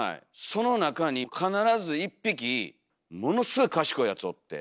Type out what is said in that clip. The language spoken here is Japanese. その中に必ず一匹ものすごい賢いやつおって。